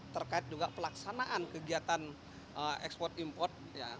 terkait juga pelaksanaan kegiatan ekspor import